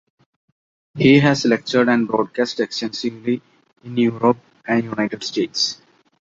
He has lectured and broadcast extensively in Europe and the United States.